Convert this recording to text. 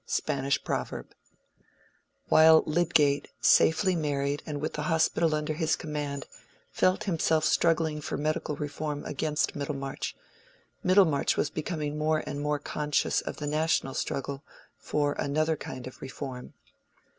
—Spanish Proverb. While Lydgate, safely married and with the Hospital under his command, felt himself struggling for Medical Reform against Middlemarch, Middlemarch was becoming more and more conscious of the national struggle for another kind of Reform.